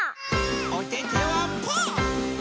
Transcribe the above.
おててはパー！